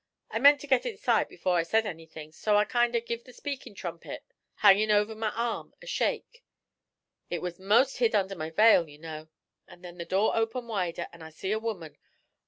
I meant to git inside before I said anything, so I kind o' give the speakin' trumpet, hangin' over my arm, a shake; it was 'most hid under the veil, you know; and then the door opened wider, and I see a woman.